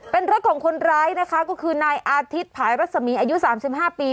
เป็นรถของคนร้ายนะคะก็คือนายอาทิตย์ภายรัศมีอายุ๓๕ปี